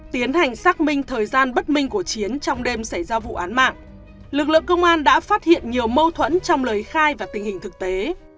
tiến hành xác minh thời gian bất minh của chiến trong đêm xảy ra vụ án mạng lực lượng công an đã phát hiện nhiều mâu thuẫn trong lời khai và tình hình thực tế